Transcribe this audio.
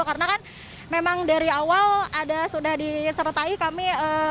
karena kan memang dari awal sudah disertai kami